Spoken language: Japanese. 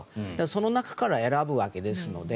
その中から選ぶわけですので。